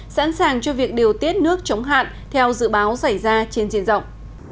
sẵn sàng cho việc điều tiết nước chống hạn theo dự báo xảy ra trên diện rộng